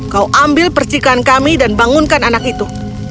kau ambil percikan kami dan bangunkan anak itu